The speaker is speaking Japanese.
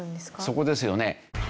そこですよね。